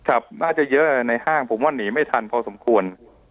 น่าจะเยอะในห้างผมว่าหนีไม่ทันพอสมควร